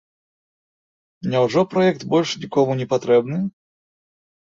Няўжо праект больш нікому не патрэбны?